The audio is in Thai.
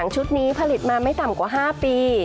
ชุดนี้ผลิตมาไม่ต่ำกว่า๕ปี